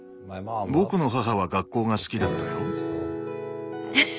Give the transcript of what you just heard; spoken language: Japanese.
僕の母は学校が好きだったよ。